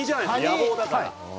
野望だから。